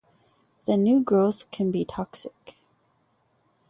The new growth can be toxic.